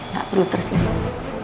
gak perlu tersimpan